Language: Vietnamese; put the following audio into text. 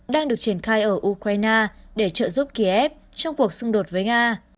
đang được triển khai ở ukraine để trợ giúp kiev trong cuộc xung đột với nga